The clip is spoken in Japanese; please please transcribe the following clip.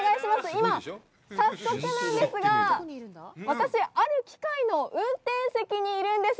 今、早速なんですが、私、ある機械の運転席にいるんです。